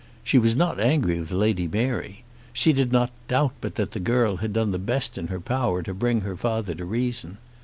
She was not angry with Lady Mary. She did not doubt but that the girl had done the best in her power to bring her father to reason.